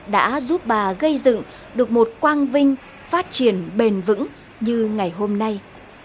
đã giúp bà gây dựng được một quang vinh phát triển bền vững như ngày hôm nay